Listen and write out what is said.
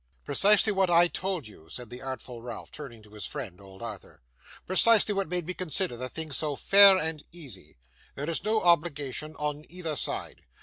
'Precisely what I told you,' said the artful Ralph, turning to his friend, old Arthur. 'Precisely what made me consider the thing so fair and easy. There is no obligation on either side.